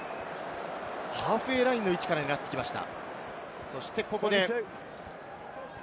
ハーフウェイラインの位置から狙ってきました。